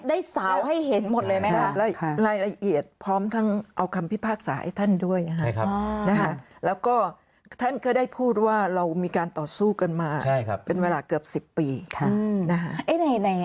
ได้สาวให้เห็นหมดเลยไหมคะรายละเอียดพร้อมทั้งเอาคำพิพากษาให้ท่านด้วยแล้วก็ท่านก็ได้พูดว่าเรามีการต่อสู้กันมาเป็นเวลาเกือบ๑๐ปี